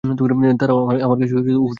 দাঁড়া, আমার কাছে উপযুক্ত কারণ আছে।